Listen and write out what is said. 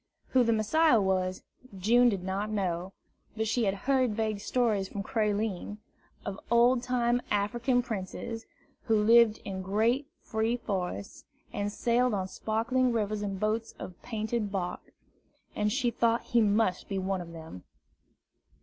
Who the Messiah was, June did not know; but she had heard vague stories from Creline, of old time African princes, who lived in great free forests, and sailed on sparkling rivers in boats of painted bark, and she thought that he must be one of them.